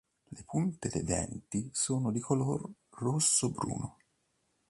Le punte dei denti sono di color rosso-bruno.